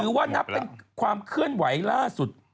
ว่านับเป็นความเคลื่อนไหวล่าสุด